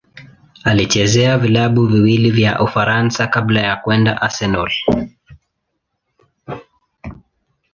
Alichezea vilabu viwili vya Ufaransa kabla ya kwenda Arsenal.